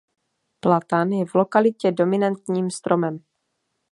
Platan je v lokalitě dominantním stromem.